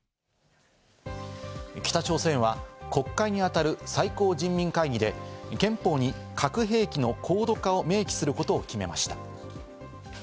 北朝鮮は国会に当たる最高人民会議で憲法に核兵器の高度化を明記することを決めました。